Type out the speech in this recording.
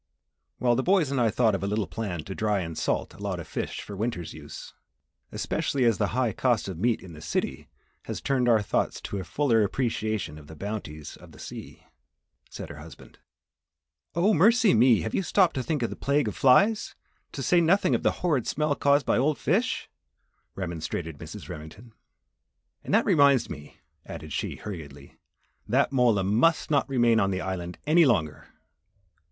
"Well, the boys and I thought of a little plan to dry and salt a lot of fish for winter's use. Especially as the high cost of meat in the city has turned our thoughts to a fuller appreciation of the bounties of the sea," said her husband. "Oh, mercy me! Have you stopped to think of the plague of flies to say nothing of the horrid smell caused by old fish?" remonstrated Mrs. Remington. "And that reminds me," added she, hurriedly, "that mola must not remain on the island any longer."